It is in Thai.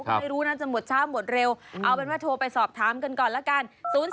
ไม่รู้น่าจะหมดช้าหมดเร็วเอาเป็นว่าโทรไปสอบถามกันก่อนละกัน